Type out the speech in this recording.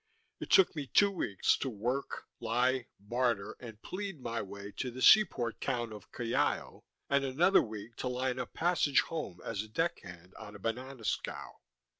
It took me two weeks to work, lie, barter, and plead my way to the seaport town of Callao and another week to line up passage home as a deck hand on a banana scow.